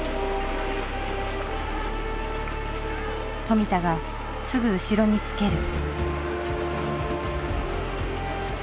富田がすぐ後ろにつける。